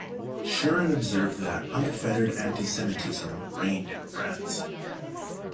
Sharon observed that an "unfettered anti-Semitism" reigned in France.